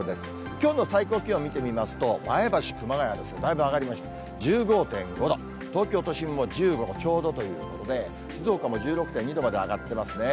きょうの最高気温見てみますと、前橋、熊谷ですね、だいぶ上がりまして、１５．５度、東京都心も１５度ちょうどということで、静岡も１６．２度まで上がってますね。